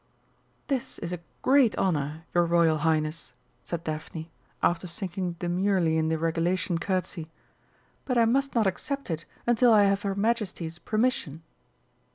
"This is a great honour, your Royal Highness," said Daphne, after sinking demurely in the regulation curtsey. "But I must not accept it until I have her Majesty's permission."